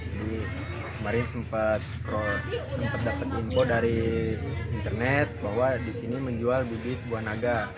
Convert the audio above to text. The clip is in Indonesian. jadi kemarin sempat dapet info dari internet bahwa disini menjual bibit buah naga